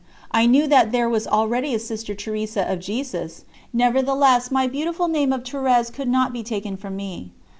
I knew that there was already a Sister Teresa of Jesus; nevertheless, my beautiful name of Thérèse could not be taken from me.